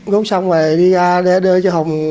gúc xong rồi đi ra để đưa cho hùng